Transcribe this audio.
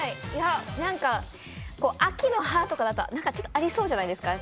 秋の葉とかだとありそうじゃないですか。